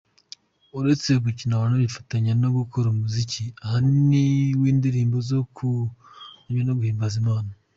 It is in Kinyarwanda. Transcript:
Uretse gukina anabifatanya no gukora umuziki ahanini w’indirimbo zo kuramya no guhimbaza Imana.